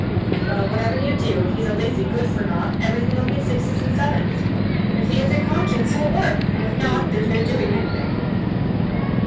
"Well, whatever you do, if he's a lazy good for nought, everything'll be at sixes and sevens. If he has a conscience, he'll work, and if not, there's no doing anything."